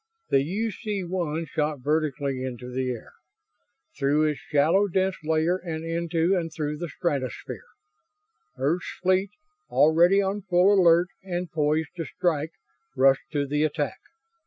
The UC 1 shot vertically into the air. Through its shallow dense layer and into and through the stratosphere. Earth's fleet, already on full alert and poised to strike, rushed to the attack.